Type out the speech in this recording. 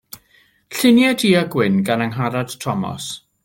Lluniau du-a-gwyn gan Angharad Tomos.